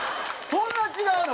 そんな違うの？